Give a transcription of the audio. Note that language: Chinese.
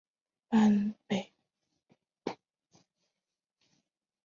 坂北站筱之井线铁路车站。